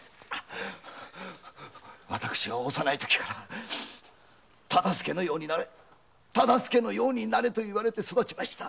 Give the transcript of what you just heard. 私は幼いときから忠相のようになれ忠相のようになれと言われて育ちました。